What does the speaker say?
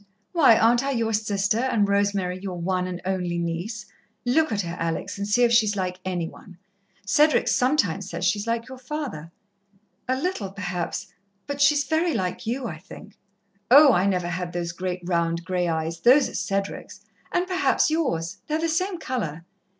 Why, aren't I your sister, and Rosemary your one and only niece? Look at her, Alex, and see if she's like any one. Cedric sometimes says she's like your father." "A little, perhaps. But she's very like you, I think." "Oh, I never had those great, round, grey eyes! Those are Cedric's. And perhaps yours they're the same colour.